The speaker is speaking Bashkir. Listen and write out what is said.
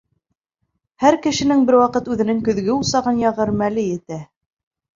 Һәр кешенең бер ваҡыт үҙенең көҙгө усағын яғыр мәле етә.